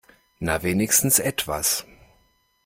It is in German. Na, wenigstens etwas.